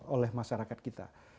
oleh masyarakat kita